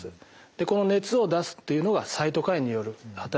この熱を出すっていうのがサイトカインによる働きなんですね。